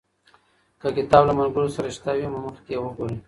که کتاب له ملګرو سره شته وي، مخکې یې وګورئ.